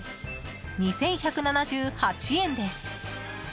２１７８円です。